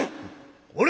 「これ！